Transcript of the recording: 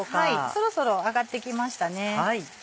そろそろ揚がってきましたね。